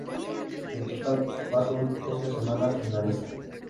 En total, pasó doce semanas en la lista.